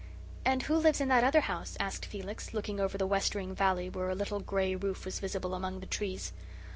"And who lives in that other house?" asked Felix, looking over the westering valley where a little gray roof was visible among the trees.